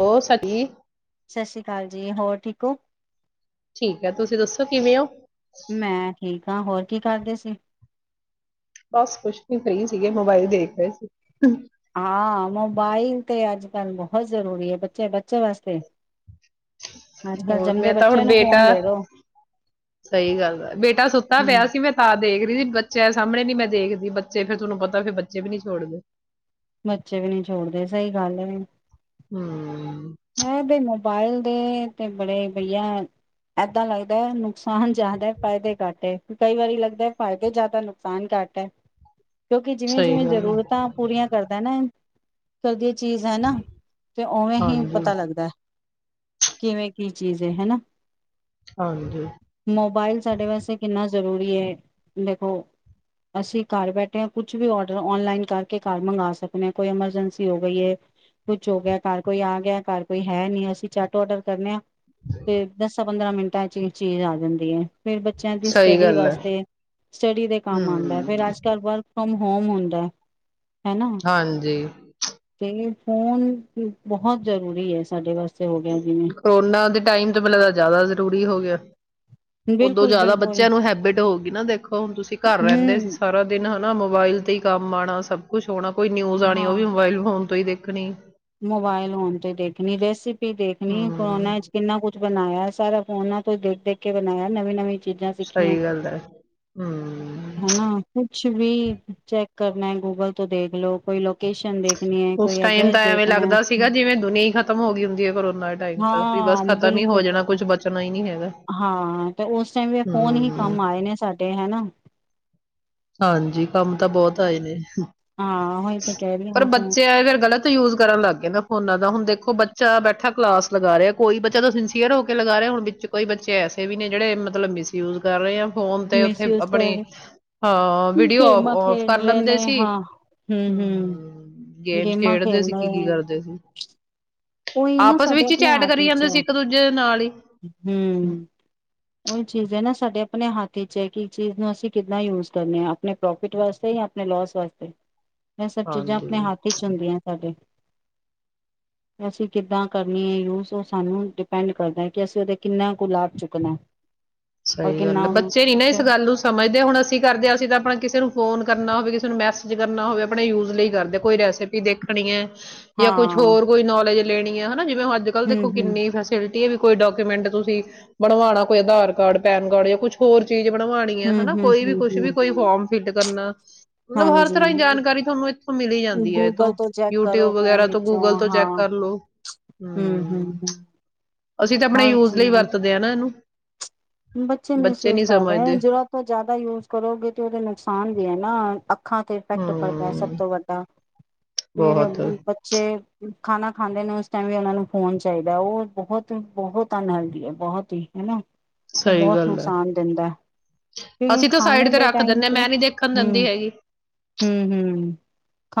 ਹੋ ਸਾਡੀ ਸਤਿ ਸ੍ਰੀ ਅਕਾਲ ਜੀ ਹੋਰ ਠੀਕ ਹੋ ਠੀਕ ਹੈ ਤੁਸੀਂ ਦੱਸੋ ਕਿਵੇਂ ਹੋ ਮੈਂ ਠੀਕ ਹਾਂ ਹੋਰ ਕੀ ਕਰਦੇ ਸੀ ਬਸ ਕੁਛ ਵੀ ਸਹੀ ਸੀਗੇ ਮੋਬਾਇਲ ਦੇਖ ਰਹੇ ਸੀ ਹਾਂ ਮੋਬਾਈਲ ਤੇ ਅੱਜ ਕਰਨ ਬਹੁਤ ਜ਼ਰੂਰੀ ਹੈ ਬੱਚੇ ਬੱਚੇ ਵਾਸਤੇ ਅੱਜ ਕੱਲ ਹੋਰ ਜੰਮਦੇ ਮੈਂ ਤਾਂ ਹੁਣ ਬੱਚਿਆਂ ਨੂੰ ਬੇਟਾ ਫੋਨ ਦੇ ਦੋ ਸਹੀ ਗੱਲ ਹੈ ਬੇਟਾ ਸੁੱਤਾ ਹਮ ਪਿਆ ਸੀ ਮੈਂ ਥ ਦੇ ਕੇ ਬੱਚਿਆਂ ਸਾਹਮਣੇ ਨੀ ਮੈਂ ਦੇਖਦੀ ਬੱਚੇ ਫੇਿਰ ਤੁਹਨੂੰ ਪਤਾ ਫਿਰ ਬੱਚੇ ਵੀ ਨੀ ਛੋਡਦੇ ਬੱਚੇ ਵੀ ਨਹੀਂੀ ਛੋੜਦੇ ਸਹੀ ਗੱਲ ਹੈ ਹੂੰ ਹੈ ਤੇ ਮੋਬਾਇਲ ਦੇ ਤੇ ਬੜੇ ਵਧਆ ਏਦਾਂ ਲੱਗਦਾ ਨੁਕਸਾਨ ਜਿਆਦਾ ਫਾਇਦੇ ਕਾਟੇ ਕਈ ਵਾਰੀ ਲਗਦਾ ਹੈ ਫ਼ਾਇਦੇ ਜ਼ਿਆਦਾ ਨੁਕਸਾਨ ਘਾਟ ਹੈ ਕਿਉਂਕਿ ਜਿਵੇਂ ਸਹੀ ਜਿਵੇਂ ਗੱਲ ਹੈ ਜ਼ਰੂਰਤਾਂ ਪੂਰੀਆਂ ਕਰਦਾ ਨਾ ਕਰਦੇ ਚੀਜ਼ ਹੈ ਨਾ ਤੇ ਉਵੇਂ ਹੀ ਹਾਂਜੀ ਪਤਾ ਲੱਗਦਾ ਕਿਵੇਂ ਕੀ ਚੀਜ਼ ਹਨਾ ਹਾਂਜੀ ਮੋਬਾਇਲ ਸਾਡੇ ਵਾਸਤੇ ਕਿੰਨਾ ਜ਼ਰੂਰੀ ਹੈ ਦੇਖੋ ਅਸੀਂ ਘਰ ਬੈਠੇ ਹਾਂ ਕੁਛ ਵੀ ਔਡਰ ਔਨਲਾਈਨ ਕਰਕੇ ਘਰ ਮੰਗ ਸਕਦੇ ਹਾਂ ਕੋਈ ਐਮਰਜੈਂਸੀ ਹੋ ਗਈ ਹੈ ਕੁਛ ਹੋ ਗਿਆ ਘਰ ਕੋਈ ਆ ਗਿਆ ਘਰ ਕੋਈ ਹੈ ਨੀ ਅਸੀਂ ਚੱਟ ਆਡਰ ਕਰਨੇ ਆਾਂ ਤੇ ਦੱਸ ਪੰਦਰਾਂ ਮਿੰਟਾਂ ਚ ਚੀਜ਼ ਆ ਜਾਂਦੀ ਹੈ ਫੇਿਰ ਬੱਚਿਆਂ ਦੀ ਸਹੀ ਸਟੱਡੀ ਗੱਲ ਹੈ ਵਾਸਤੇ ਸਟੱਡੀ ਦੇ ਕੰਮ ਆਉਂਦਾ ਹੈ ਫੇਰ ਹੂੰ ਅੱਜ ਕੱਲ ਵਰਕ ਫਰੋਮ ਹੋਮ ਹੁੰਦਾ ਹੈਨਾ ਹਾਂਜੀ ਤੇ ਫੋਨ ਬਹੁਤ ਜ਼ਰੂਰੀ ਹੈ ਸਾਡੇ ਵਾਸਤੇ ਹੋ ਗਿਆ ਜਿਵੇਂ ਕਰੋਨਾ ਦੇ ਟਾਈਮ ਤੋਂ ਪਹਿਲ ਜ਼ਿਆਦਾ ਜ਼ਰੂਰੀ ਹੋ ਗਿਆ ਉਦੋਂ ਬਿਲਕੁਲ ਜ਼ਿਆਦਾ ਬਿਲਕੁਲ ਬੱਚਿਆਂ ਨੂੰ ਹੈਬਿਟ ਹੋ ਗਗੀ ਨਾ ਦੇਖੋ ਹੁਣ ਤੁਸੀਂ ਘਰ ਰਹਿੰਦੇ ਸੀ ਹਮ ਸਾਰਾ ਦਿਨ ਨਾ ਮੋਬਾਇਲ ਤੇ ਹੀ ਕੰਮ ਆਉਣਾ ਸਭ ਕੁਛ ਕੋਈ ਨਿਊਜ਼ ਆਉਣੀ ਹਾਂ ਉਹ ਵੀ ਮੋਬਾਇਲ ਫੋਨ ਤੋਂ ਹੀ ਦੇਖ ਕਿਣੇ ਮੋਬਾਇਲ ਹੋਨ ਤੇ ਦੇਖਣੀ ਰੈਸਪੀ ਦੇਖਣੀ ਹਮ ਕਰੋਨਾ ਚ ਕਿੰਨਾ ਕੁਛ ਬਣਾਇਆ ਸਾਰਾ ਫੋਨਾਂ ਤੋਂ ਦੇਖ ਦੇਖ ਕੇ ਬਣਾਇਆ ਨਵੀਂ ਨਵੀਂ ਚੀਜ਼ਾਂ ਸਿੱਖੀਆਂ ਸਹੀ ਗੱਲ ਹੈ ਹਮ ਹਨਾ ਕੁਛ ਵੀ ਚੈ ਕਰਨਾ ਗੂਗਲ ਤੋਂ ਦੇਖ ਲੋੋ ਕੋਈ ਲੋਕ ਲੋਕੇਸ਼ਨ ਦੇਖਣੀ ਹੈ ਉਸ ਕੋਈ ਟਾਈਮ ਐਡਰੈਸ ਤਾਂ ਦੇ ਐਵੇਂ ਲੱਗਦਾ ਸੀਗਾ ਜਿਵੇਂ ਦੁਨੀਆ ਹੀ ਖਤਮ ਹੋ ਗਈ ਹੁੰਦੀ ਹੈ ਪਰ ਉਹਨੂੰ ਹਾਂ ਬਿਲਕੁਲ ਬਿਲਕੁਲ ਬਚਣਾ ਹੀ ਨਹੀਂ ਹੈਗਾ ਹਾਂ ਤੇ ਉਸ ਟਾਈਮ ਵੀ ਫੋਨ ਹੀ ਹਮ ਕੰਮ ਆਏ ਨੇ ਸਾਡੇ ਹਨਾ ਹਾਂਜੀ ਕੰਮ ਤਾਂ ਬਹੁਤ ਆਏ ਨੇ ਹਾਂ ਉਹੀ ਤੇ ਕਹਿ ਰਹੀ ਪਰ ਹਾਂ ਬੱਚੇ ਫੇਰ ਗ਼ਲਤ ਯੂਜ ਕਰਨ ਲੱਗ ਗਏ ਨਾ ਫੋਨਾ ਦਾ ਹੁਣ ਦੇਖੋ ਬੱਚਾ ਬੈਠਾ ਕਲਾਸ ਲਗਾ ਰਿਹਾ ਕੋਈ ਬੱਚਾ ਤਾਂ ਸਿੰਸੀਅਰ ਹੋ ਕੇ ਲਗਾ ਰਿਹਾ ਹੁਣ ਵਿੱਚ ਕੋਈ ਬੱਚੇ ਐਸੇ ਵੀ ਨੇ ਜਿਹੜੇ ਮਤਲਬ ਮਿਸਯੂਜ ਕਰ ਰਹੇ ਆ ਫੋਨ ਤੇ ਉਓਥੇ ਮਿਸਯੂਜ ਕਰ ਆਪਣੇ ਰਹੇ, ਹਾਂ ਵੀਡੀਓ ਗੇਮਾਂ ਫ ਖੇਡ ਕਰ ਰਹੇ ਲੈਂਦੇ ਨੇ ਸੀ ਹਾਂ ਹਮ ਹਮ ਗੇਮਸ ਗੇਮਾਂ ਖੇਡਦੇ ਸੀ ਕੀ ਕੀ ਖੇਲਣੇ ਕਰਦੇ ਸੀ ਆਪਸ ਵਿੱਚ ਹੀ ਚੈਟ ਕਰੀ ਜਾਂਦੇ ਸੀ ਇੱਕ ਦੂਜੇ ਦੇ ਨਾਲ ਹੀ ਹਮ ਉਹੀ ਚੀਜ਼ ਹੈ ਨਾ ਸਾਡੇ ਆਪਣੇ ਹੱਥ ਵਿਚ ਹੈ ਕਿ ਇਸ ਚੀਜ਼ ਨੂੰ ਅਸੀਂ ਕਿੱਦਾਂ ਯੂਜ ਕਰਨੇ ਆ ਆਪਣੇ ਪ੍ਰੋਫਿਟ ਵਾਸਤੇ ਜਾਂ ਆਪਣੇ ਲੋਸ ਵਾਸਤੇ ਇਹ ਸਭ ਚੀਜ਼ਾਂ ਆਪਣੇ ਹਾਂਜੀ ਹੱਥ ਵਿਚ ਹੁੰਦੀਆਂ ਸਾਡੇ ਅਸੀਂ ਕਿੱਦਾਂ ਕਰਨੀ ਹੈ ਯੂਜ ਉਹ ਸਾਨੂੰ ਡਿਪੈਂਡ ਕਰਦਾ ਕਿ ਅਸੀਂ ਉਹਦੇ ਕਿੰਨਾ ਕੁ ਲਾਭ ਚੁੱਕਣਾ ਔਰ ਸਹੀ ਗੱਲ ਕਿੰਨਾ ਹੈ ਉਹਨੂੰ ਬੱਚੇ ਨੀ ਨਾ ਇਸ ਗੱਲ ਨੂੰ ਸਮਝਦੇ ਹੁਣ ਅਸੀਂ ਕਰਦੇ ਹਾਂ ਅਸੀਂ ਤਾਂ ਆਪਣਾ ਕਿਸੇ ਨੂੰ ਫੋਨ ਕਰਨਾ ਹੋਵੇ ਕਿਸੇ ਨੂੰ ਮੈਸੇਜ ਕਰਨਾ ਹੋਵੇ ਆਪਣੇ ਯੂਜ ਲਈ ਕਰਦੇ ਕੋਈ ਰੈਸਿਪੀ ਦੇਖਣੀ ਹੈ ਜਾਂ ਕੁਛ ਹਾਂ ਹੋਰ ਕੋਈ ਨੌਲੇਜ ਲੈਣੀੀਆਂ ਨਾ ਜਿਵੇਂ ਅੱਜ ਕੱਲ ਹੂੰ ਦੇਖੋ ਹੂੰ ਕਿੰਨੀ ਫੈਸਿਲਿਟੀ ਵੀ ਕੋਈ ਡਾਕੂਮੈਂਟ ਤੁਸੀਂ ਬਣਵਾਉਣਾ ਕੋਈ ਆਧਾਰ ਕਾਰਡ ਪੈਨ ਕਾਰਡ ਜਾਂ ਕੁਛ ਹੋਰ ਚੀਜ਼ ਬਣਵਾਣੀ ਹੈ ਹੂੰ ਹਨਾ ਹੂੰ ਕੋਈ ਵੀ ਹੂੰ ਕੁਛ ਵੀ ਹੂੰ ਕੋਈ ਹੂੰ ਫੋਰਮ ਫਿਲ ਕਰਨਾ ਮਤਲਬ ਹਰ ਹਾਂਜੀ ਤਰ੍ਹਾਂ ਜਾਣਕਾਰੀ ਤੁਹਾਨੂੰ ਇਥੋਂ ਮਲੀ ਜਾਂਦੀ ਹੈ ਗੂਗਲ ਇਥੋਂ ਤੋਂ ਚੈੱਕ ਕਰੋ ਯੂਟਿਊਬ ਫੋਨ ਵਗਰਾ ਤੋਂ ਗੂਗਲ ਵਿੱਚੋਂ ਤੋਂ ਹਾਂ ਚੈਕ ਕਰਲੋ ਹੂੰ ਹੂੰ ਹਮ ਹੂੰ ਅਸੀਂ ਤਾਂ ਆਪਣੇ ਹਰ ਯੂਜ ਲਈ ਚੀਜ਼ ਵਰਤਦੇ ਹਾਂ ਨਾ ਇਹਨੂੰ ਹ ਬੱਚੇ ਮਿਸਯੂਜ ਕਰਦੇ ਹੈ ਜਿਹੜਾ ਜ਼ਿਆਦਾ ਯੂਜ ਕਰੋਗੇ ਤੇ ਉਹਦੇ ਨੁਕਸਾਨ ਵੀ ਹੈ ਨਾ ਅੱਖਾਂ ਤੇ ਇਫੈਕਟ ਪੜਦਾ ਸਭ ਹਮ ਤੋਂ ਵੱਡਾ ਫਿਰ ਬਹੁਤ ਬੱਚੇ ਖਾਣਾ ਖਾਂਦੇ ਨੇ ਉਸ ਟਾਈਮ ਵੀ ਉਹਨਾਂ ਨੂੰ ਫੋਨ ਚਾਹੀਦਾ ਉਹ ਬਹੁਤ ਬਹੁਤ ਅਨਹਲਦੀ ਹੈ ਬਹੁਤ ਹੀ ਹਨਾ ਉਹ ਸਹੀ ਬਹੁਤ ਗੱਲ ਹੈ ਨੁਕਸਾਨ ਦਿੰਦਾ ਕਿਉਂਕਿ ਅਸੀਂ ਤਾਂ ਸਾਈਡ ਖਾਣੇ ਤੇ ਦੇ ਰੱਖ ਟਾਈਮ ਦਿੰਦੇ ਹ ਤੇ ਮੈਂ ਨੀ ਦੇਖਣ ਦਿੰਦੀ ਹਮ ਹੈਗੀ ਹਮ ਹਮ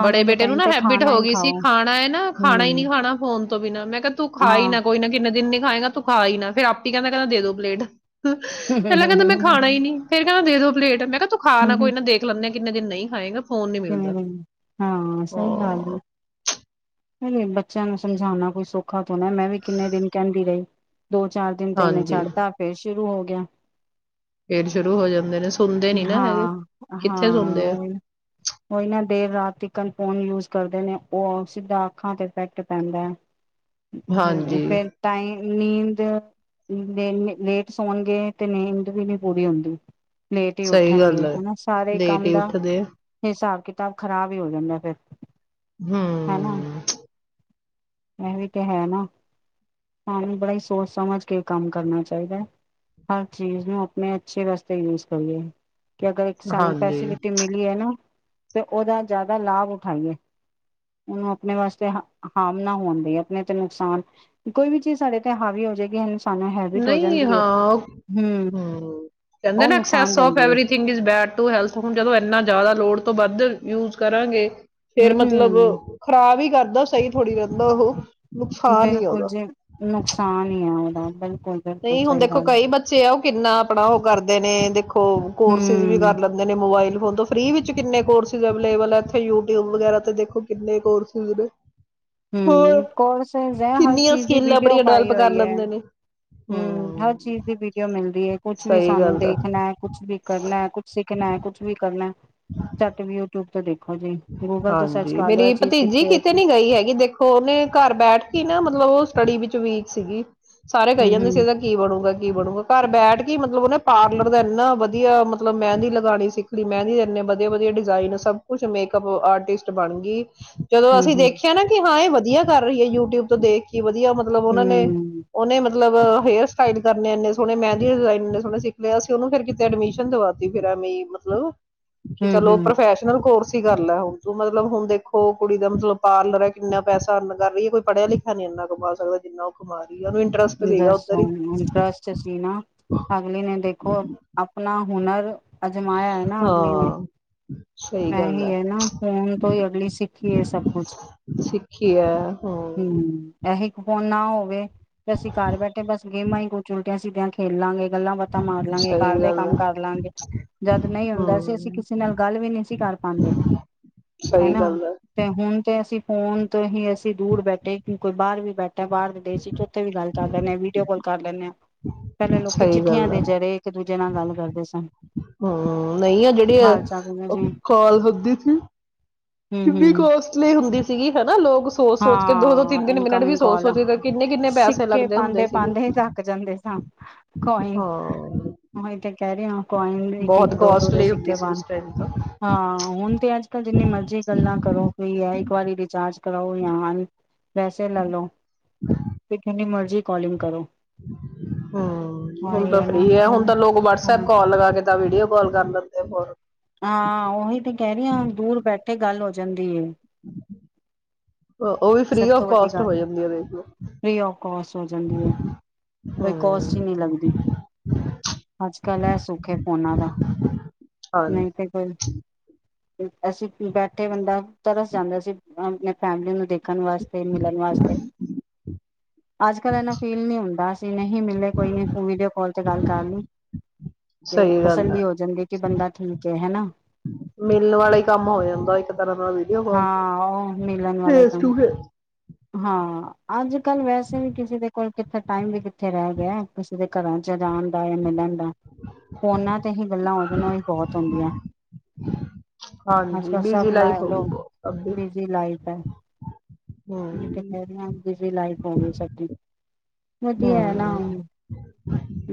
ਬੜੇ ਦੇ ਬੇਟੇ ਨੂੰ ਟਾਈਮ ਨਾ ਤੇ ਹੈਬਿਟ ਖਾਣਾ ਹੋ ਹੀ ਗਈ ਸੀ ਖਾਓ ਖਾਣਾ ਨਾ ਖਾਣਾ ਹੀ ਹਮ ਨਹੀਂੀ ਖਾਣਾ ਫੋਨ ਨਾ ਮੈਂ ਤੂੰ ਖਾਈ ਹਾਂ ਨਾ ਕੋਈ ਨਾ ਕਿੰਨੇ ਦਿਨ ਖਾਏਗਾ ਤੂੰ ਖਾ ਹੀ ਫਿਰ ਆਪ ਕਹਦਾ ਕਹਿੰਦਾ ਦੇ ਦੋ ਬਲੇਡ ਹੂੰ ਪਹਿਲਾਂ ਹੂੰ ਕਹਿੰਦਾ ਹੂੰ ਮੈਂ ਖਾਣਾ ਨੀ ਫੇਰ ਕਹਿੰਦਾ ਦੇ ਦੋ ਪਲੇਡ ਮੈਂ ਕਿਆ ਤੂੰ ਖਾ ਨਾ ਕੋਈ ਨਾ, ਦੇਖ ਲੈਂਨੇ ਕਿੰਨੇ ਦਿਨ ਨਹੀਂ ਖਾਏਂਗਾ ਹਮ ਹਮ, ਹਾਂ ਸਹੀ ਗੱਲ ਏ। ਹਾਂ ਨਹੀਂ ਨਹੀਂ ਬੱਚਿਆਂ ਨੂੰ ਸਮਝਾਉਣਾ ਕੋਈ ਸੌਖਾ ਥੋ ਨਾ। ਮੈਂ ਵੀ ਕਿੰਨੇ ਦਿਨ ਕਹਿੰਦੀ ਰਹੀ ਦੋ ਚਾਰ ਦਿਨ ਤੇ ਉਹਨੇ ਹਾਂਜੀ ਛੜ੍ਹਤਾ, ਫੇਰ ਸ਼ੁਰੂ ਹੋ ਗਿ ਕਿਆ ਫੇਰ ਸ਼ੁਰੂ ਹੋ ਜਾਂਦੇ ਨੇ। ਸੁਣਦੇ ਨੀ ਨਾ ਹੈਗੇ, ਹਾਂ ਕਿੱਥੇ ਸੁਣਦੇ ਆ। ਓ ਈ ਨਾ ਦੇਰ ਰਾਤ ਤੀਕਨ, ਫੋਨ ਯੂਜ਼ ਕਰਦੇ ਨੇ। ਓ ਹੁਨ ਸਿੱਧਾ ਅੱਖਾਂ ਤੇ ਇੰਮਪੈਕਟ ਪੈਂਦਾ ਐ। ਅ-ਅ-ਹ-ਹਮ ਹਾਂਜੀ ਫੇਰ ਟਾਈਂ ਨੀਂਦ ਦੇ-ਨੇ-ਲੇਟ ਸੌਣਗੇ ਤੇ ਨੀਂਦ ਵੀ ਨੀ ਪੂਰੀ ਹੁੰਦੀ। ਲੇਟ ਈ ਸਹੀ ਉੱਠਣਗੇ। ਗੱਲ ਹੈ ਹਨਾ, ਸਾਰੇ ਲੇਟ ਕੰਮ ਹੀ ਦਾ ਉੱਠਦੇ ਆ ਹਿਸਾਬ ਕਿਤਾਬ ਖ਼ਰਾਬ ਈ ਹੋ ਜਾਂਦਾ ਫੇਰ। ਹਮ। ਐਹ ਵੀ ਤੇ ਹੈ ਨਾ। ਸਾਨੂੰ ਬੜਾ ਈ ਸੋਚ ਸਮਝ ਕੇ ਕੰਮ ਕਰਨਾ ਚਾਹੀਦਾ ਐ। ਹਰ ਚੀਜ਼ ਨੂੰ ਆਪਣੇ ਅੱਛੇ ਵਾਸਤੇ ਯੂਜ਼ ਕਰੀਏ। ਕਿ ਅਗਰ ਇੱਕ ਸਾਨੂੰ ਹਾਂਜੀ, ਫੈਸਿਲਿਟੀ ਮਿਲ ਤੇ ਨਾ, ਤੇ ਓਹਦਾ ਜ਼ਿਆਦਾ ਲਾਭ ਉਠਾਈਏ। ਉਹਨੂੰ ਆਪਣੇ ਵਾਸਤੇ ਹ-ਅ-ਹਾਮ ਨਾ ਹੋਣ ਦੇਈਏ, ਆਪਣੇ ਤੇ ਨੁਕਸਾਨ, ਕੋਈ ਵੀ ਚੀਜ਼ ਸਾਡੇ ਤੇ ਹਾਵੀ ਹੋ ਜੇਗੀ ਅ ਨਹੀਂ ਹਾਂ, ਹਮ। ਕਹਿੰਦੇ ਉਹ ਨਾ ਨੁਕਸਾਨ ਐਕਸੈਸ ਓਫ ਦਿੰਦੀ ਹੈ ਏਵਰੀਥਿੰਗ ਬੈਡ ਟੂ ਹੈਲਥ। ਹੁਣ ਜਦੋਂ ਇਨਾ ਜ਼ਿਆਦਾ ਲੋੜ ਤੋਂ ਵੱਧ ਯੂਜ਼ ਕਰਾਂਗੇ ਫੇਰ ਮਤਲਬ ਹਮ ਖ਼ਰਾਬ ਹੀ ਕਰ ਦਾ ਸਹੀ ਥੋੜ੍ਹੀ ਰਹਿੰਦਾ ਓਹੋ ਬਿਲਕੁਲ ਜੀ। ਨੁਕਸਾਨ ਈ ਆ ਓਦਾ, ਬਿਲਕੁਲ। ਬਿਲਕੁਲ ਨਹੀਂ, ਹੁਣ ਸਹੀ ਦੇਖੋ ਗੱਲ ਕਈ ਬੱਚੇ ਆ ਓਹ ਕਿੰਨਾ ਆਪਣਾ ਓਹ ਕਰਦੇ ਨੇ, ਦੇਖੋ ਕੋ-ਕੋਰਸਿਸ ਵੀ ਹਮ ਕਰ ਲੈਂਦੇ ਨੇ, ਮੋਬਾਇਲ ਵ ਫੋਨ ਤੋਂ। ਫਰੀ ਵਿਚ ਕਿੰਨੇ ਕੋਰਸਿਸ ਅਬੇਲੇਬਲ ਐ ਯੂਟਊਬ ਵਗੈਰਾ ਤੇ ਦੇਖੋ, ਕਿੰਨੇ ਕੋਰਸਿਸ ਨੇ। ਹੋਰ ਹਮ, ਕੋਰਸਿਸ ਐ, ਹਰ ਕਿੰਨੀਆਂ ਚੀਜ਼ ਦੀ ਸਕਿੱਲ ਵੀਡੀਓ ਆਪਣੀਆਂ ਪਾਈ ਡਿਵੈਲਪ ਕਰ ਹੋਈ ਐ। ਲੈਂਦੇ ਨੇ। ਹਮ, ਹਰ ਹੂੰ, ਚੀਜ਼ ਦੀ ਵੀਡੀਓ ਮਿਲਦੀ ਕੁਛ ਵੀ ਸਹੀ ਸਾਨੂੰ ਗੱਲ ਆ। ਦੇਖਣਾ ਐ, ਕੁਛ ਵੀ ਕਰਨਾ ਐ, ਕੁਛ ਸਿੱਖਣਾ ਐ, ਕੁਛ ਵੀ ਕਰਨਾ ਐ। ਝੱਟ ਵੀ ਯੂਟਿਊਬ ਤੋਂ ਦੇਖੋ। ਜੀ, ਗੂਗਲ ਤੋਂ ਸਰਚ ਹਾਂਜੀ, ਕਰ ਲੋ ਇਹ ਮੇਰੀ ਚੀਜ਼ ਭਤੀਜੀ ਕਿੱਥੇ ਕਿਤੇ ਹੈਗੀ। ਨੀ ਗਈ ਹੈਗੀ, ਦੇਖੋ ਉਹਨੇ ਘਰ ਬੈਠ ਕੇ ਨਾ ਮਤਲਬ ਉਹ, ਸਟੱਡੀ ਵਿੱਚ ਵੀਕ ਸੀਗੀ। ਸਾਰੇ ਕਹੀ ਜਾਂਦੇ ਸੀ, ਹੂੰ-ਹੂੰ, ਇਹਦਾ ਕੀ ਬਣੂਗਾ ਕੀ ਬਣੂਗਾ। ਘਰ ਬੈਠ ਕੇ ਮਤਲਬ ਉਹਨੇ ਪਾਰਲਰ ਦਾ ਇੰਨਾ ਵਧੀਆ ਮਤਲਬ ਮਹਿੰਦੀ ਲਗਾਉਣੀ ਸਿੱਖ ਲਈ, ਮਹਿੰਦੀ ਇੰਨੇ ਵਧੀਆ ਵਧੀਆ ਡਿਜ਼ਾਇਨ ਸਭ ਕੁਛ ਮੇਕ ਉਹ ਆਰਟਿਸਟ ਬਣ ਗਈ। ਜਦੋਂ ਅਸੀਂ ਹੂੰ-ਹੂੰ, ਦੇਖਿਆ ਨਾ ਕਿ ਹਾਂ ਇਹ ਵਧੀ ਵਧੀਆ ਕਰ ਰਹੀ ਹੈ, ਯੂਟਿਊਬ ਤੋਂ ਦੇਖ ਕੇ ਵਧੀਆ ਮਤਲਬ, ਉਹਨਾਂ ਨੇ ਹੂੰ, ਉਹਨੇ ਮਤਲਬ ਹੇਅਰ ਸਟਾਈਲ ਕਰਨੇ, ਇੰਨੇ ਸੋਹਣੇ ਮਹਿੰਦੀ ਡਿਜ਼ਾਇਨ ਇੰਨੇ ਸੋਹਣੇ ਸਿੱਖ ਲਏ, ਅਸੀਂ ਉਹ ਨੂੰ ਫਿਰ ਕਿਤੇ ਐਡਮਿਸ਼ਨ ਦਵਾ ਦਿੱਤੀ, ਫਿਰ ਮਈ ਮਤਲਬ ਕਿ ਚਲੋ ਹੂੰ-ਹੂੰ ਪ੍ਰੋਫੈਸ਼ਨਲ ਕੋਰਸ ਕਰ ਲੈ ਹੁਣ ਤੂੰ ਮਤਲਬ ਹੁਣ ਦੇਖੋ ਕੁੜੀ ਦਾ ਮਤਲਬ ਪਾਰਲਰ ਹੈ, ਕਿੰਨਾ ਪੈਸਾ ਅਰਨ ਕਰ ਰਹੀ ਹੈ, ਕੋਈ ਪੜ੍ਹਿਆ ਲਿਖਿਆ ਨੀ ਇੰਨਾ ਕਮਾ ਸਕਦਾ ਜਿੰਨਾ ਉਹ ਕਮਾ ਰਹੀ। ਹੈ ਉਹਨੂੰ ਇੰਟਰਸਟ ਸੀਗਾ ਦਸ ਉੱਧਰ ਹੀ ਇੰਟਰਸਟ ਸੀ ਨਾ, ਅਗਲੀ ਨੇ ਦੇਖੋ ਆਪਣਾ ਹੁਨਰ ਅਜਮਾਇਆ ਹੈ ਨਾ ਅਗਲੀ ਨੇ, ਹਾਂ ਸਹੀ ਮੈ ਗੱਲ ਹੀ ਹੈ ਨਾ ਫੋਨ ਤੋਂ ਹੀ ਅਗਲੀ ਸਿੱਖੀ ਹੈ, ਸਭ ਕੁਛ ਸਿੱਖੀ ਹੈ ਹਮ ਹੂੰ ਇਹੀ ਫੋਨ ਨਾ ਹੋਵੇ। ਤੇ ਅਸੀ ਘਰ ਬੈਠੇ ਬਸ ਗੇਮਾਂ ਹੀ ਕੁਛ ਉਲਟੀਆ ਜਿਹਦੇ ਨਾਲ ਖੇਲਾਂਗੇ। ਗੱਲਾਂ ਬਾਤਾਂ ਮਾਰ ਲਾਂਗੇ, ਸਹੀ ਘਰ ਦੇ ਗੱਲ ਕੰਮ ਹੈ ਕਰ ਲਾਗੇ, ਜਦ ਨਹੀਂ ਹੁੰਦਾ ਸੀ, ਅਸੀਂ ਹਮ ਕਿਸੇ ਨਾਲ ਗੱਲ ਵੀ ਨਹੀਂ ਸੀ ਕਰ ਪਾਾਗੇ, ਸਹੀ ਹਨਾ ਗੱਲ ਹੈ ਤੇ ਹੁਣ ਤੇ ਅਸੀਂ ਫੋਨ ਤੋਂ ਹੀ ਅਸੀਂ ਦੂਰ ਬੈਠੇ ਕਿ ਕੋਈ ਬਾਹਰ ਵੀ ਬੈਠੇ ਬਾਹਰ ਦੇ ਦੇਸ਼ ਵਿੱਚ ਗੱਲ ਕਰ ਲੈਂਦੇ ਹਾਂ, ਵੀਡੀਓ ਕਾਲ ਕਰ ਲੈਂਦੇ ਹਾਂ। ਪਹਿਲੇ ਲੋਕੀ ਸਹੀ ਚਿੱਠੀਆਂ ਗੱਲ ਦੇ ਜਰੇ ਇੱਕ ਦੂਜੇ ਨਾਲ ਗੱਲ ਕਰਦੇ ਸਨ। ਹੂੰ ਨਹੀਂ ਆ ਜਿਹੜੀ ਆ, ਹਾਲ ਚਾਲ ਪੁੱਛਦੇ ਉਹ ਸੀ ਕਾਲ ਹੁੰਦੀ ਸੀ ਕਿੰਨੀ ਹੂੰ-ਹੂੰ ਕੋਸਟਲੀ ਹੁੰਦੀ ਸੀ। ਸੀਗੇ ਹਨਾ ਲੋਕ ਸੋਚ ਸੋਚ ਕੇ ਦੋ ਦੋ ਹਾਂ ਤਿੰਨ ਤਿੰਨ ਮਿੰਟ ਵੀ ਇਨਕਮਿੰਗ ਸੋਚ ਕਾਲ, ਸੋਚਦੇ ਕਿੰਨੇ ਕਿੰਨੇ ਪੈਸੇ ਸਿੱਕੇ ਲੱਗਦੇ ਹੁੰਦੇ ਪਾਾਂਦੇ ਸੀਗੇ ਪਾਾਂਦੇ ਹੀ ਥੱਕ ਜਾਂਦੇ ਸਾਂ। ਕੋਈਨ ਹਾਂ ਮੈਂ ਕਹਿ ਰਹੇ ਕਾਇਨ ਇੱਕ ਇੱਕ ਬਹੁਤ ਦੋ ਦੋ ਦੇ ਕੋਸਟਲੀ ਹੁੰਦੀ ਸਿੱਕੇ ਸੀ ਪਾਉਣੇ, ਉਸ ਟਾਈਮ ਤਾਂ ਹਾਂ ਹੁਣ ਤੇ ਅੱਜ ਕਲ ਜਿੰਨੀ ਮਰਜੀ ਗੱਲਾਂ ਕਰੋ ਕੋਈ ਇੱਕ ਵਾਰੀ ਰਿਚਾਰਜ ਕਰੋ [inaudible] ਪੈਸੇ ਲੈ ਲੋ। ਤੇ ਕੇ ਮ ਜੀ ਕੋਲਿੰਗ ਕਰੋ ਹਮ ਹਾਂ ਹੁਣ ਇਹ ਤਾਂ ਨਾ ਫ੍ਰੀ ਹੈ ਹੁਣ ਤਾਂ ਲੋਕ ਹਾਂ ਵਟਸਐਪ ਕਾਲ ਲਗਾ ਕੇ ਵੀਡੀਓ ਕਾਲ ਕਰ ਲੈਂਦੇ ਫਰ ਹਾਂ ਉਹੀ ਤੇ ਕਹਿ ਰਹੀ ਹਾਂ ਦੂਰ ਬੈਠੇ ਗੱਲ ਹੋ ਜਾਂਦੀ ਹੈ ਉਹ- ਉਹ ਵੀ ਸਭ ਫ੍ਰੀ ਤੋਂ ਆਫ ਵੱਡੀ ਕਾਸਟ ਗੱਲ ਹੋ ਜਾਂਦੀ ਹੈ ਦੇਖ ਲਓ ਫੀ ਆਫ ਕੋਸਟ ਹੋ ਜਾਂਦੀ ਹੈ ਕੋਈ ਕੋਸਟ ਹੀ ਹੂੰ ਨਹੀਂ ਲੱਗਦੀ ਅੱਜ ਕੱਲ ਹੈ ਸੁਖ ਹੈ ਫੋਨਾਂ ਦਾ ਹਾਂਜੀ ਨਹੀਂ ਤੇ ਕੋਈ ਐਸੇ ਫਿਰ ਬੈਠੇ ਬੰਦਾ ਤਰਸ ਜਾਂਦਾ ਸੀ ਅ ਫੈਮਿਲੀ ਨੂੰ ਦੇਖ ਰਖਣ ਵਾਸਤੇ ਮਿਲਣ ਵਾਸਤੇ ਅੱਜ ਕੱਲ ਇਨਾ ਫੀਲ ਨਹੀਂ ਹੁੰਦਾ ਅਸੀਂ ਨਹੀਂ ਮਿਲੇ ਕੋਈ ਨੀ ਵੀਡੀਓ ਫੋਨ ਤੇ ਗੱਲ ਕਰ ਲਈ ਤੇ ਸਹੀ ਗੱਲ ਤਸੱਲੀ ਹੈ ਹੋ ਜਾਂਦੀ ਕਿ ਬੰਦਾ ਠੀਕ ਹੈ ਹੈ ਨਾ ਮਿਲਣ ਵਾਲਾ ਕੰਮ ਹੋ ਜਾਂਦਾ ਇੱਕ ਤਰ੍ਹਾਂ ਦਾਡੀਓ ਕਾਲ ਤੇ ਹਾਂ ਉਹ ਮਿਲਣ ਵਾਲੇ ਫੇਸ ਟ ਕੰਮ ਫੇਸ ਹਾਂ ਅਜ ਵੈਸੇ ਵੀ ਕਿਸੇ ਦੇ ਕੋਲ ਕਿੱਥੇ ਟਾਈਮ ਵੀ ਕਿੱਥੇ ਰਹਿ ਗਿਆ ਕਿਸੇ ਦੇ ਘਰਾਂ ਚ ਜਾਣ ਜਾਂ ਮਿਲਣ ਦਾ ਫੋਨਾਂ ਤੇ ਹੀ ਗੱਲਾਂ ਉਹਦੇ ਨਾਲ ਹੀ ਬਹੁਤ ਹੁੰਦੀਆਂ ਅੱਜ ਹਾਂਜੀ ਕੱਲ ਬਿਜੀ ਸਭ ਲਾ ਲਾਈਫ ਹੋਗੀ ਲੋਕ ਬੋਹਤ, ਅਬ ਭੀ ਲੇਕਿਨ ਬਿਜ਼ੀ ਲਾਈਫ ਹੋਵੇਈ ਸਬ ਦੀ, ਵਧੀਆ ਹੈ ਨਾ, ਹੂੰ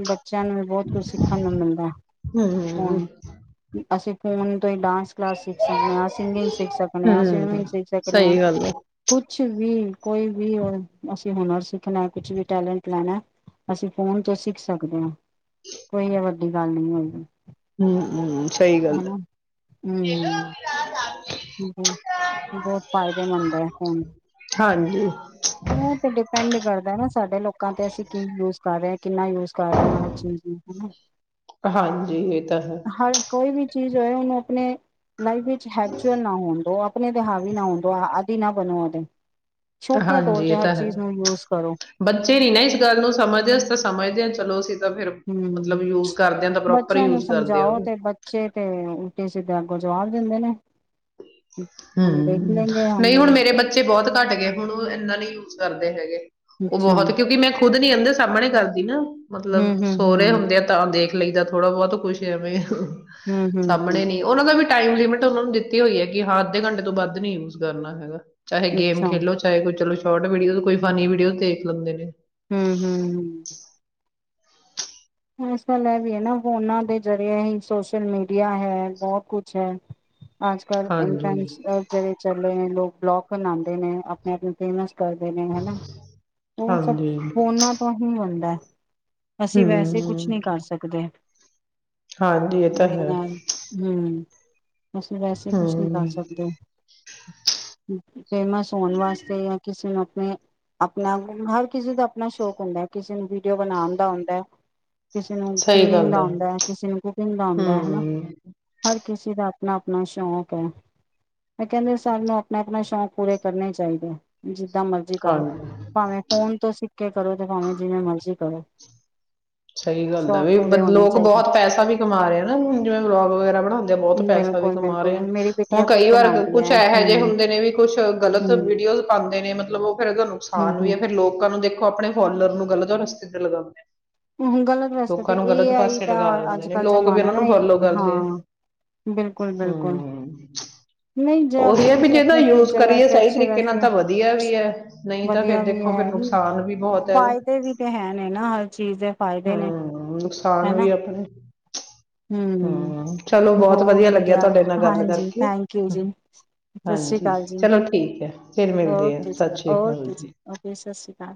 ਬੱਚਿਆਂ ਨੂੰ ਵੀ ਬਹੁਤ ਕੁਝ ਸਿੱਖਣ ਨੂੰ ਮਿਲਦਾ ਹੂੰ ਹੁਣ ਅਸੀਂ ਕੌਣ ਡਾਂਸ ਕਲਾਸ ਸਿੱਖ ਸਕਨੇ ਆਂ, ਸਿੰਗਿੰਗ ਸਿੱਖ ਸਕਨੇ ਆਂ ਹੂੰ ਸਵਿਮਿੰਗ ਸਿੱਖ ਸਕਨੇ ਆਂ ਸਹੀ ਗੱਲ ਹੈ ਕੁਛ ਵੀ ਕੋਈ ਵੀ ਉਹ ਅਸੀਂ ਹੁਨਰ ਸਿੱਖਣਾ ਕੁਛ ਵੀ ਟੈਲੈਂਟ ਲੈਣਾ ਅਸੀਂ ਫੋਨ ਤੋਂ ਸਿੱਖ ਸਕਦੇ ਆਂ ਕੋਈ ਏ ਵਧ ਵੱਡੀ ਗੱਲ ਨੀ ਹੋਏਗੀ ਹੂ ਹੂ ਸਹੀ ਗੱਲ ਹਨਾ ਐ ਹਮ ਬਹੁਤ ਫਾਇਦੇਮੰਦ ਹੈ ਫੋਨ ਦ [unintelligible] ਉਹ ਤੇ ਡਿਪੈਂਡ ਕਰਦਾ ਹਨਾ ਸਾਡੇ ਲੋਕਾਂ ਤੇ ਅਸੀਂ ਕੀ ਯੂਜ ਕਰ ਰਹੇ ਹ ਕਿੰਨਾ ਯੂਜ ਕਰ ਰਹੇ ਹਾਂ ਹਰ ਚੀਜ਼ ਨੂੰ ਹੈ ਨਾ ਹਾਂਜੀ ਇਹ ਤਾਂ ਹੈ ਚੀਜ ਹੋਏ ਉਹਨੂੰ ਆਪਣੇ ਲਾਈਫ ਵਿੱਚ ਹੈਬੂਚਲ ਨਾ ਹੋਣ ਦੋ ਆਪਣੇ ਤੇ ਹਾਵੀ ਨਾ ਹੋਣ ਦੋ ਆਦੀ ਨਾ ਬਣੋ ਉਹਦੇ ਸ਼ੌਕੀਆ ਤੌਰ ਹਾਂਜੀ ਤੇ ਇਹ ਹਰ ਤਾਂ ਹੈ ਚੀਜ਼ ਨੂੰ ਯੂਜ ਕਰੋ ਬੱਚੇ ਨੀ ਨਾ ਇਸ ਗੱਲ ਨੂੰ ਸਮਝਦੇ ਅਸੀ ਤਾਂ ਸਮਝਦੇ ਹਾਂ ਚਲੋ ਅਸੀਂ ਤਾਂ ਫਿਰ ਹੂ ਮਤਲਬ ਯੂਜ ਕਰਦੇ ਆ ਤਾਂ ਪ੍ਰੋਪਰ ਬੱਚਿਆਂ ਨੂੰ ਯੂਜ ਕਰਦੇ ਆ ਸਮਝਾਓ ਉਹਨੂੰ ਤੇ ਬੱਚੇ ਤੇ ਉ ਜਿੱਦਾਂ ਅੱਗੋਂ ਜਵਾਬ ਦਿੰਦੇ ਨੇ ਹੂ, ਹਮ ਦੇਖ ਲੈਂਗੇ ਨਹੀਂ ਹੁਣ ਹਮ ਮੇਰੇ ਬੱਚੇ ਬਹੁਤ ਘੱਟ ਗਏ। ਹੁਣ ਉਹ ਇਹਨਾਂ ਲਈ ਯੂਜ ਕਰਦੇ ਹੈਗੇ। ਉਹ ਅੱਛਾ ਬਹੁਤ ਕਿਉਂਕਿ ਮੈਂ ਖੁਦ ਨੀ ਕਦੇ ਸਾਹਮਣੇ ਕਰ ਨਾ ਮਤਲਬ ਸੋਹਰੇ ਹੂੰ-ਹੂੰ-ਹੂੰ। ਹੁੰਦੇ ਆ ਤਾਂ ਦੇਖ ਲਈਦਾ ਥੋੜਾ ਬਹੁਤ ਕੁੱਛ ਐਵੇਂ ਹੂੰ-ਹੂੰ-ਹੂੰ ਸਾਹਮਣੇ ਨੀ ਉਹਨਾਂ ਦਾ ਵੀ ਟਾਈਮ ਲਿਮਿਟ ਉਹਨਾ ਨੂੰ ਦਿੱਤੀ ਹੋਈ ਹੈ। ਕਿ ਅੱਧੇ ਘੰਟੇ ਤੋਂ ਵੱਧ ਨੀ ਯੂਜ ਕਰਨਾ ਹੈਗਾ। ਚਾਹੇ ਗੇਮ ਅੱਛਾ ਖੇਲੋ ਚਾਹੇ ਕੋਈ ਚਲੋ ਸ਼ੋਰਟ ਵੀਡੀਓ ਕੋਈ ਫਨੀ ਵੀਡੀਓ ਦੇਖ ਲੈਂਦੇ ਨੇ ਹਮ ਹਮ ਹਮ ਇਸ ਗੱਲ ਇਹ ਵੀ ਹੈ। ਨਾ ਫੋਨਾਂ ਦੇ ਜ਼ਰੀਏ ਹੀ ਸੋਸ਼ਲ ਮੀਡੀਆ ਹੈ। ਬਹੁਤ ਕੁਛ ਹੈ। ਆਜ ਕਰ ਹਾਂਜੀ ਚਲੇ ਲੋਕ ਬਲੋਕ ਬਣਾਉਂਦੇ ਨੇ ਆਪਣੇ ਆਪ ਕਰਦੇ ਨੇ ਹਨਾ ਉਹ ਸਭ ਹਾਂਜੀ ਫੋਨਾਂ ਤੋਂ ਹੀ ਹੁੰਦਾ ਹੈ। ਅਸੀਂ ਵੈਸੇ ਕੁਛ ਨਹੀਂ ਹੂੰ ਕਰ ਸਕਦੇ। ਹਾਂਜੀ ਇਹ ਤਾਂ ਮੇਰੇ ਹੈ। ਨਾਲ ਹਮ ਅਸੀਂ ਵੈਸੇ ਕੁਛ ਨਹੀਂਕਰ ਹਮ ਸਕਦੇ। ਹਮ [inaudible] ਫੇਮਸ ਹੋਣ ਵਾਸਤੇ ਜਾਂ ਕਿਸੇ ਨੂੰ ਆਪਣਾ ਹਰ ਕਿਸੇ ਦਾ ਆਪਣਾ ਸ਼ੌਕ ਹੁੰਦਾ ਕਿਸੇ ਨੂੰ ਵੀਡੀਓ ਬਣਾਉਣ ਨੂੰ ਆਉਂਦਾ ਕਿਸੇ ਨੂੰ ਸਹੀ ਸਿੰਗਿੰਗ ਗੱਲ ਦਾ ਆਉਂਦਾ ਹੈ। ਕਿਸੇ ਨੂੰ ਕੁਕਿੰਗ ਦਾ ਆਉਂਦਾ ਹੈ। ਹਨਾ ਹਮ ਹਰ ਕਿਸੇ ਦਾ ਆਪਣਾ ਆਪਣਾ ਸ਼ੌਕ ਹੈ ਮੈਂ ਕਹਿੰਦੇ ਸਾਨ ਨੂੰ ਆਪਣਾ ਆਪਣਾ ਸ਼ੌਂਕ ਪੂਰੇ ਕਰਨੇ ਚਾਹੀਦੇ ਨੇ ਜਿੱਦਾਂ ਮਰਜ਼ੀ ਕਰੋ ਹਾਂਜੀ ਭਾਵੇਂ ਫੋਨ ਤੋਂ ਸਿੱਕੇ ਕਰੋ ਤੇ ਭਾਵੇਂ ਜਿਵੇਂ ਮਰਜ਼ੀ ਕਰੋ। ਸਹੀ ਗੱਲ ਦਾ ਸ਼ੌਕ ਵੀ ਪੂਰੇ ਹੋਣੇ ਲੋਕ ਚਾਹੀਦੇ ਬਹੁਤ ਪੈਸਾ ਵੀ ਕਮਾ ਰਹੇ ਆ ਨਾ ਜਿਵੇਂ ਵਲੋਗ ਵਗੈਰਾ ਬਣਾਉਂਦੇ ਬਹੁਤ ਪੈਸਾ ਵੀ ਬਿਲਕੁਲ ਕਮਾ ਰਹੇ ਬਿਲਕੁਲ ਹਨ ਮੇਰੀ ਹੁਣ ਬੇਟੀਆ ਖੁਦ ਕਈ ਵਾਰ ਬਣਾਉਂਦੀ ਕੁੱਛ ਹੈ ਇਹੋ ਜਿਹੇ ਹਮ ਹੁੰਦੇ ਨੇ ਵੀ ਕੁਛ ਗ਼ਲਤ ਹਮ ਵੀਡੀਓ ਪਾਉਂਦੇ ਨੇ ਮਤਲਬ ਉਹ ਫੇਰ ਉਹਦਾ ਹਮ ਨੁਕਸਾਨ ਵੀ ਹੈ। ਹਮ ਫਰ ਲੋਕਾਂ ਨੂੰ ਦੇਖੋ ਆਪਣੇ ਫੋਰਨਰ ਨੂੰ ਗਲਤ ਰਸਤੇ ਤੇ ਲਗਾਉਦੇ ਹਾਂ। ਗਲਤ ਵਸਤੇ ਤੇ ਏ ਆਈ ਦਾ ਲਗਾ ਦਿੰਦੇ ਅੱਜ ਨੇ ਕਲ ਲੋਕ ਵੀ ਜਮਾਨਾ ਇਹਨਾਂ ਨਾ ਨੂੰ ਫੋਲੋ ਕਰਦੇ ਆ ਹਾਂ ਬਿਲਕੁਲ ਬਿਲਕੁਲ ਹਮ ਨਹੀਂ ਉਹੀ ਜਸੀ ਹੈ ਵੀ ਤੁਸੀਂ ਜਿਹਦਾ ਆਪਣੇ ਯੂਜ਼ ਫਿਊਚਰ ਕਰੀਏ ਵਾਸਤੇ ਸਹੀ ਅੱਛੇ ਤਰੀਕੇ ਨਾਲ ਵੈਸੇ ਤਾਂ ਵਧੀਆ ਵੀ ਹੈ ਨਹੀਂ ਤਾਂ ਵਧੀਆ ਫਿਰ ਵੀ ਦੇਖੋ ਫਿਰ ਹੈ। ਨੁਕਸਾਨ ਵੀ ਬਹੁਤ ਹੈ ਇਹਦਾ ਫਾਇਦੇ ਵੀ ਤੇ ਹੈ ਨੇ ਨਾ ਹ ਹਮ ਨੁਕਸਾਨ ਹਨਾ ਵੀ ਆਪਣੇ ਹਮ ਹਮ ਚਲੋ ਬਹੁਤ ਵਧੀਆ ਲੱਗਿਆ ਤੁਹਾਡੇ ਨਾਲ ਗੱਲ ਹਾਂਜੀ ਕਰਕੇ ਥੈਂਕ ਯੂ ਜੀ ਸਤਿ ਸ੍ਰੀ ਹਾਂਜੀ ਅਕਾਲ ਜੀ ਚਲੋ ਠੀਕ ਹੈ ਫਿਰ ਮਿਲਦੇ ਆ ਓਕੇ ਜੀ ਸਤਿ ਸ਼੍ਰੀ ਅਕਾਲ ਓਕੇ ਜੀ ਓਕੇੀ ਸਤਿ ਸ਼੍ਰੀ ਅਕਾਲ